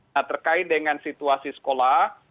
nah terkait dengan situasi sekolah